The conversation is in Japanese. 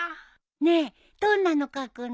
ねえどんなの描くの？